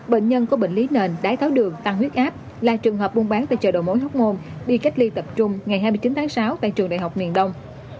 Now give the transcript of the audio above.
bệnh nhân có bệnh lý nền đái tháo đường tăng huyết áp là trường hợp buôn bán tại chợ đầu mối hóc môn đi cách ly tập trung ngày hai mươi chín tháng sáu tại trường đại học miền đông